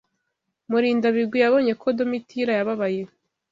Murindabigwi yabonye ko Domitira yababaye.